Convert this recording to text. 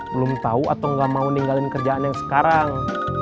belum tahu atau nggak mau ninggalin kerjaan yang sekarang